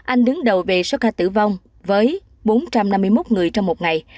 anh đứng đầu về số ca tử vong với bốn trăm năm mươi một người trong một ngày